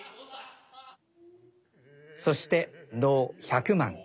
そして能「百万」。